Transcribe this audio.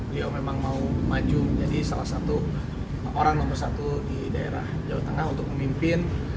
beliau memang mau maju menjadi salah satu orang nomor satu di daerah jawa tengah untuk memimpin